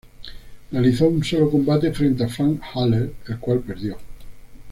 Realizó un solo combate frente a Frank Haller, el cual perdió.